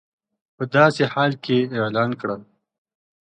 په داسې حال کې اعلان کړل